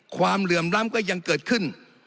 เหลื่อมล้ำก็ยังเกิดขึ้น